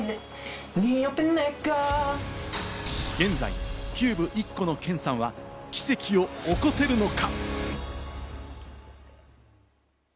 現在、キューブ１個のケンさんは奇跡を起こせるのか？